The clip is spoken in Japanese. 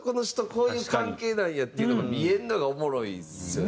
こういう関係なんやっていうのが見えるのがおもろいですよね。